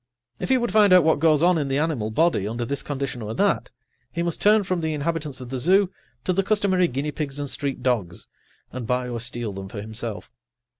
If he would find out what goes on in the animal body under this condition or that, he must turn from the inhabitants of the zoo to the customary guinea pigs and street dogs, and buy or steal them for himself.